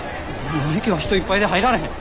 もう駅は人いっぱいで入られへん。